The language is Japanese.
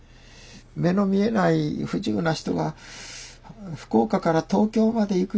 目の見えない不自由な人が福岡から東京まで行くいうたら大変ですよ。